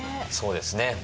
そうですね。